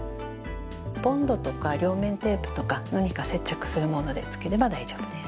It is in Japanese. ボンドとか両面テープとか何か接着するもので付ければ大丈夫です。